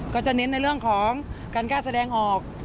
ก็จะเน้นในเรื่องของการกล้าแสดงออก